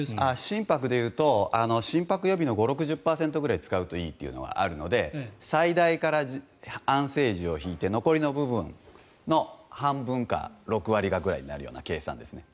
心拍でいうと心拍予備の５０６０％ぐらい使うといいというのがあるので最大から安静時を引いて残りの部分の半分か６割かくらいになる計算ですね。